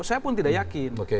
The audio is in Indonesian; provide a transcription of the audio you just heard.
saya pun tidak yakin